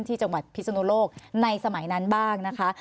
ที่จังหวัดพิศนุโลกในสมัยนั้นบ้างนะคะ